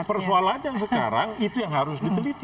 nah persoalannya sekarang itu yang harus diteliti